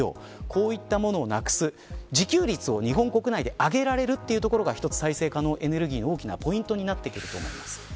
こういったものをなくす自給率を日本国内で上げられるのが再生可能エネルギーの大きなポイントになってると思います。